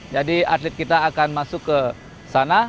jadi atlet kita akan masuk ke sana